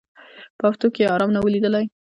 په هفتو کي یې آرام نه وو لیدلی